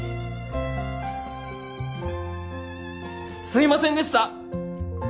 すいませんでした！